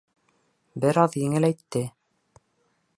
Бер аҙ еңеләйтте.